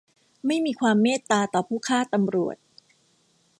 ไม่มีความเมตตาต่อผู้ฆ่าตำรวจ !